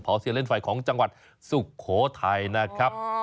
พอเซียเล่นไฟของจังหวัดสุโขทัยนะครับ